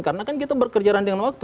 karena kan kita berkejaran dengan waktu